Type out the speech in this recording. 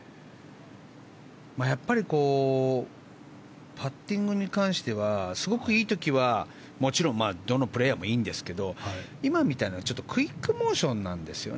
やっぱりパッティングに関してはすごくいい時は、もちろんどのプレーヤーもいいんですけど今みたいなのはクイックモーションなんですよ。